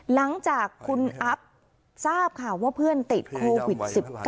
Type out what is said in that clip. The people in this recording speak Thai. หลังจากคุณอัพทราบค่ะว่าเพื่อนติดโควิด๑๙